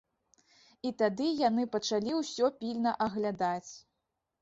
І тады яны пачалі ўсё пільна аглядаць.